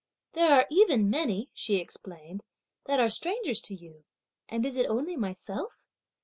"There are even many," she explained, "that are strangers to you; and is it only myself?